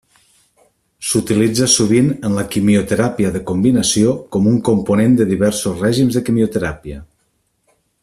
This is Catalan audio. S'utilitza sovint en la quimioteràpia de combinació com un component de diversos règims de quimioteràpia.